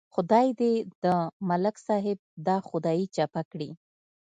خدای دې د ملک صاحب دا خدایي چپه کړي.